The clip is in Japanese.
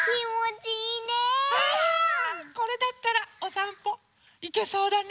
これだったらおさんぽいけそうだね。